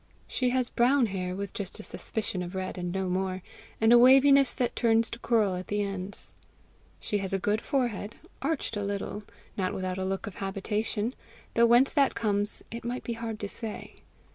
She has brown hair with just a suspicion of red and no more, and a waviness that turns to curl at the ends. She has a good forehead, arched a little, not without a look of habitation, though whence that comes it might be hard to say.